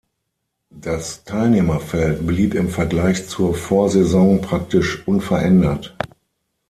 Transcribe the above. Das Teilnehmerfeld blieb im Vergleich zur Vorsaison praktisch unverändert.